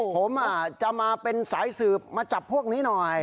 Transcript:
ผมจะมาเป็นสายสืบมาจับพวกนี้หน่อย